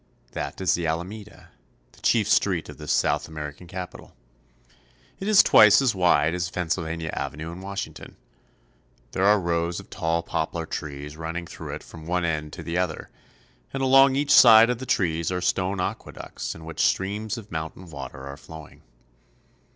That is the Alameda, the chief street of this South American capital. It is twice as wide as Pennsylvania Avenue in Washington. There are rows of tall poplar 126 CHILE. trees running through it from one end to the other, and along each side of the trees are stone aqueducts in which streams of mountain water are flowing.